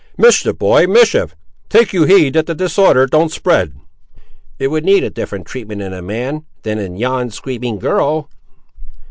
"Mischief, boy; mischief! take you heed that the disorder don't spread." "It would need a different treatment in a man, than in yon screaming girl!"